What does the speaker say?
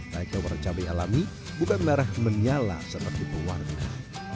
naiknya warna cabai alami bukan merah menyala seperti pewarna